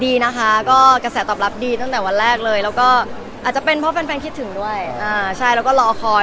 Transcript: ดีนะคะก็กระแสตอบรับดีตั้งแต่วันแรกเลยแล้วก็อาจจะเป็นเพราะแฟนคิดถึงด้วยอ่าใช่แล้วก็รอคอย